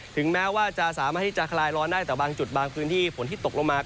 ถึงแม้ว่าจะสามารถที่จะคลายร้อนได้แต่บางจุดบางพื้นที่ฝนที่ตกลงมา